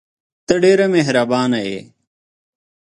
ته ډېره مهربانه یې !